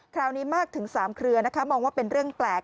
คราวนี้มากถึง๓เครือนะคะมองว่าเป็นเรื่องแปลก